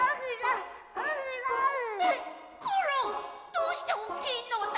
どうしておっきいのだ？